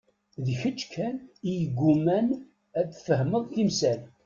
D kečč kan i yegguman ad tfehmeḍ timsal.